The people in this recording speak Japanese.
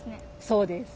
そうです。